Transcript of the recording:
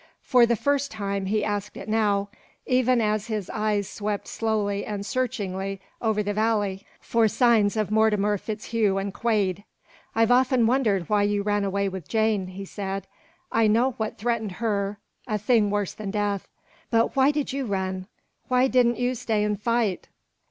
For the first time he asked it now, even as his eyes swept slowly and searchingly over the valley for signs of Mortimer FitzHugh and Quade. "I've often wondered why you ran away with Jane," he said. "I know what threatened her a thing worse than death. But why did you run? Why didn't you stay and fight?"